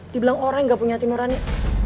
dibilang orang yang gak punya timurannya